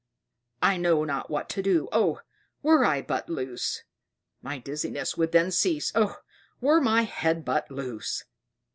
I know not what to do. Oh! were I but loose; my dizziness would then cease; oh, were my head but loose!"